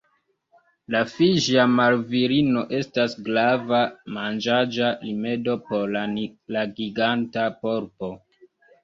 La fiĝia marvirino estas grava manĝaĵa rimedo por la giganta polpo.